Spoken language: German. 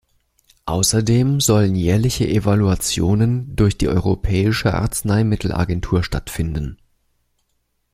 Außerdem sollen jährliche Evaluationen durch die europäische Arzneimittelagentur stattfinden.